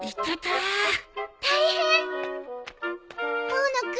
大野君